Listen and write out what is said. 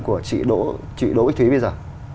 của chị đỗ ích thúy bây giờ